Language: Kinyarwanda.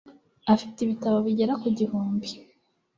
afite ibitabo bigera ku gihumbi